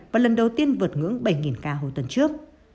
và lần đầu tiên vượt ngưỡng bảy ca hồi tuần trước